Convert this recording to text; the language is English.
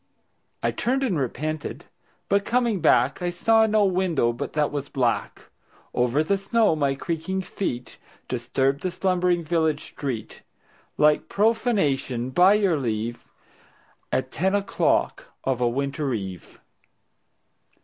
I turned and repented, but coming back I saw no window but that was black. Over the snow my creaking feet Disturbed the slumbering village street Like profanation, by your leave, At ten o'clock of a winter eve.